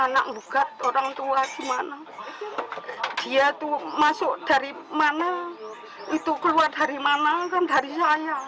masuk dari mana itu keluar dari mana kan dari saya